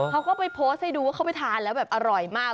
เขาก็ไปโพสต์ให้ดูว่าเขาไปทานแล้วแบบอร่อยมาก